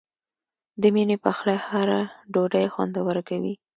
د مینې پخلی هره ډوډۍ خوندوره کوي.